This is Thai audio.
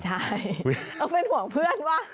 ใช่ต้องเป็นห่วงเพื่อนว่า